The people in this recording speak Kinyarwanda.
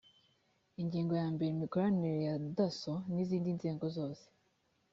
ingingo ya mbere imikoranire ya dasso n izindi nzego zose